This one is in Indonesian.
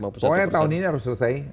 pokoknya tahun ini harus selesai